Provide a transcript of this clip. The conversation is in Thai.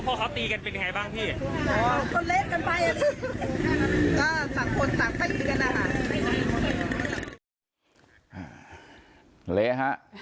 ก็จะสั่งคนสั่งไปกันนะค่ะ